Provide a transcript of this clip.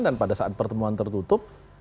dan pada saat pertemuan tertutup